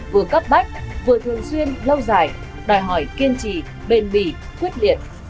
vừa cấp bách vừa thường xuyên lâu dài đòi hỏi kiên trì bền bỉ quyết liệt